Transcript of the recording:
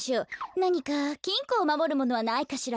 なにかきんこをまもるものはないかしら？